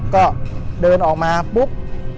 ก็เดินออกมาปุ๊บ